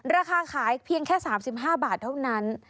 ราคาขายเพียงแค่๓๕บาทเท่านั้น